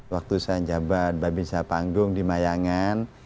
waktu saya jabat mbak bin syah panggung di mayangan